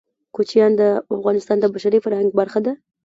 کوچیان د افغانستان د بشري فرهنګ برخه ده.